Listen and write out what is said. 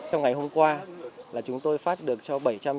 trong ngày hôm qua là chúng tôi phát được cho bảy triệu đồng